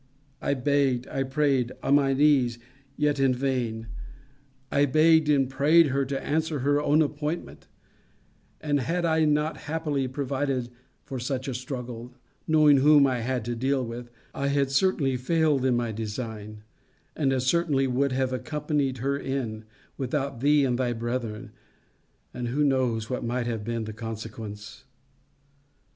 I begged, I prayed; on my knees, yet in vain, I begged and prayed her to answer her own appointment: and had I not happily provided for such a struggle, knowing whom I had to deal with, I had certainly failed in my design; and as certainly would have accompanied her in, without thee and thy brethren: and who knows what might have been the consequence?